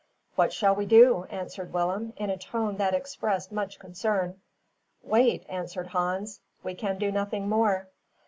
"What shall we do?" asked Willem, in a tone that expressed much concern. "Wait," answered Hans; "we can do nothing more."